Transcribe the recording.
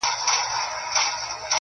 • جګه لکه ونه د چینار په پسرلي کي -